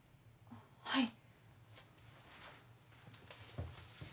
はい。